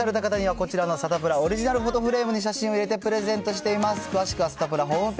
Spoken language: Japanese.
採用された方には、こちらのサタプラオリジナルフォトフレームに写真を入れてプレゼントしています。